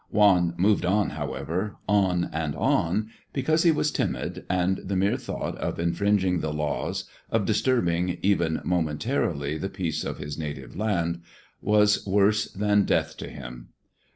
Juan moved on, however, on and on, because he was timid, and the mere thought of infringing the laws, of disturbing even momentarily the peace of his native land, was worse than death to him.